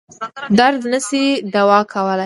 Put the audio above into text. درد نه شي دوا کولای.